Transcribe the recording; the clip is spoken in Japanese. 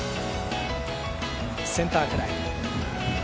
センターフライ。